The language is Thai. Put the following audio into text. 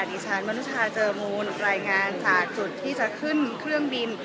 ดิฉันมนุชาเจอมูลรายงานจากจุดที่จะขึ้นเครื่องบิน